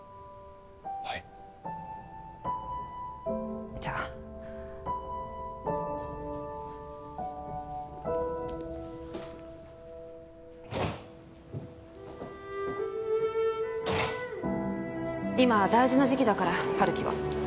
はいじゃあ今は大事な時期だから春樹は